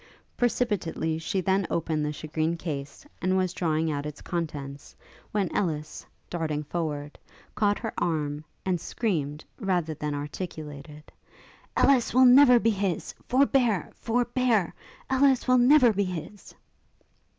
Precipitately she then opened the shagreen case, and was drawing out its contents, when Ellis, darting forward, caught her arm, and screamed, rather than articulated, 'Ellis will never be his! Forbear! Forbear! Ellis never will be his!'